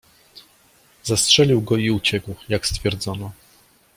"Zastrzelił go i uciekł, jak stwierdzono."